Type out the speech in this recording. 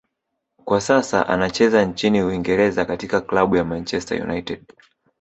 kwa sasa anacheza nchini Uingereza katika klabu ya Manchester United